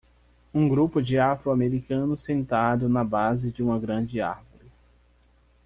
Um grupo de afro-americanos sentado na base de uma grande árvore.